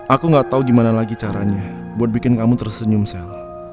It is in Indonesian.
aku gak tau gimana lagi caranya buat bikin kamu tersenyum sel